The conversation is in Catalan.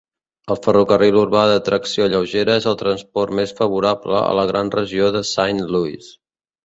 El ferrocarril urbà de tracció lleugera és el transport més favorable a la Gran Regió de Saint Louis.